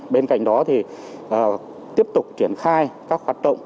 bên cạnh đó thì tiếp tục triển khai các hoạt động